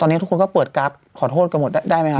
ตอนนี้ทุกคนก็เปิดกราฟขอโทษกันหมดได้ไหมครับ